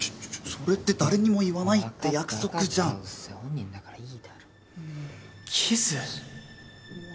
それって誰にも言わないって約束じゃんうっせえ本人だからいいだろキス！？